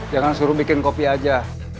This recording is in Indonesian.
jangan suruh bikin kopi aja